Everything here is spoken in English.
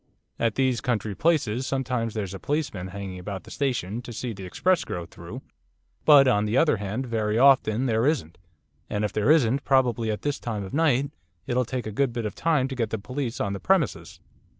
At these country places sometimes there's a policeman hanging about the station to see the express go through, but, on the other hand, very often there isn't, and if there isn't, probably at this time of night it'll take a good bit of time to get the police on the premises.